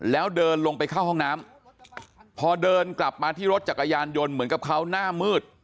แล้วเดินลงไปเข้าห้องน้ำพอเดินกลับมาที่รถจักรยานยนต์เหมือนกับเขาหน้ามืด